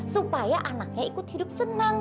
supaya anaknya ikut hidup senang